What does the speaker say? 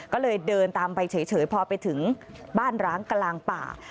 ก็เลยเดินตามไปเฉยพอไปถึงบ้านร้างกลางป่า